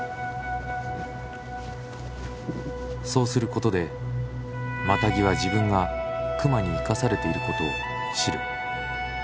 そうすることでマタギは自分が熊に生かされていることを知る。